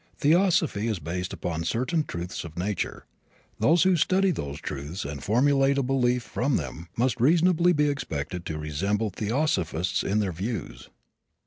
Theosophy is based upon certain truths of nature. Those who study those truths and formulate a belief from them must reasonably be expected to resemble theosophists in their views.